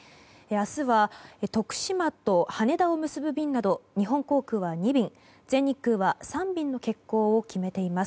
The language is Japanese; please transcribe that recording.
明日は、徳島と羽田を結ぶ便など日本航空は２便全日空は３便の欠航を決めています。